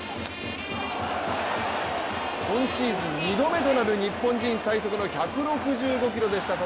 今シーズン２度目となる日本人最速の１６５キロでした。